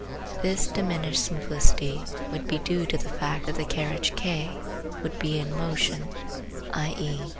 This diminished simplicity would be due to the fact that the carriage K would be in motion (i.e."